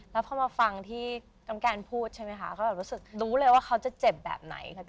แล้วพอมาฟังที่กำแกนพูดใช่มั้ยคะก็รู้แล้วเขาจะเจ็บแบบไหน